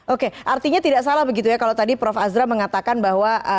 oke artinya tidak salah begitu ya kalau tadi prof azra mengatakan bahwa